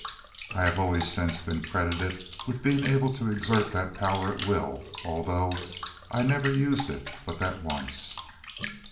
I have always since been credited with being able to exert that power at will, although I never used it but that once."